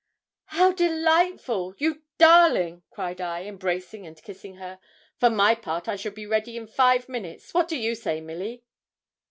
'How delightful! you darling,' cried I, embracing and kissing her; 'for my part, I should be ready in five minutes; what do you say, Milly?'